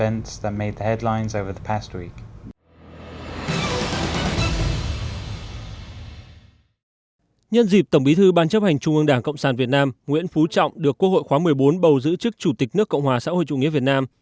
nhân dịp tổng bí thư ban chấp hành trung ương đảng cộng sản việt nam nguyễn phú trọng được quốc hội khóa một mươi bốn bầu giữ chức chủ tịch nước cộng hòa xã hội chủ nghĩa việt nam